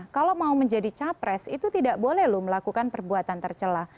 kalau mau menjadi capres itu tidak boleh loh melakukan perbuatan tercelah